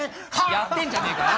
やってんじゃねえかよ！